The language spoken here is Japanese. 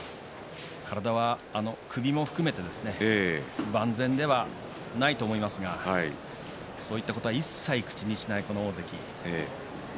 体は首も含めて万全ではないと思いますがそういったことは一切口にしない大関。